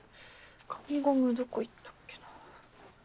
髪ゴムどこいったっけな。